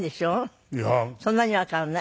そんなには変わらない？